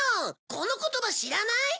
この言葉知らない？